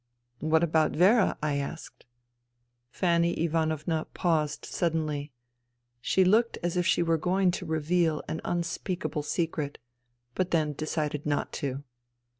" What about Vera ?" I asked. Fanny Ivanovna paused suddenly. She looked as if she were going to reveal an unspeakable secret, but then decided not to.